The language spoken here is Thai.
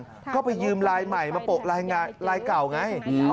ท่าก็ไปยืมลายใหม่มาปกลายลายใหม่ไงไหว้กับของใคร